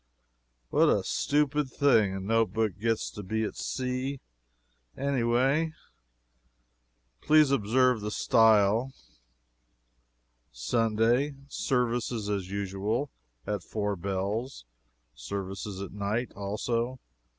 What a stupid thing a note book gets to be at sea, any way. Please observe the style: "Sunday Services, as usual, at four bells. Services at night, also.